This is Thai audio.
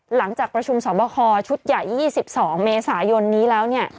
หลังจากประชุมสอบคอชุดใหญ่๒๒เมษายนนี้แล้วเนี่ย